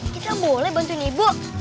kita boleh bantuin ibu